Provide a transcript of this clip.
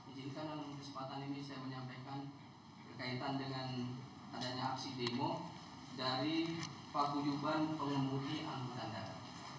injinkan kesempatan ini saya menyampaikan berkaitan dengan adanya aksi demo dari pak gujuban pengemudi anggudandara